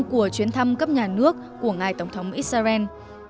của chuyến thăm cấp nhà nước của ngài tổng thống israel